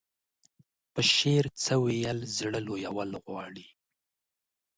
په شعر څه ويل زړه لويول غواړي.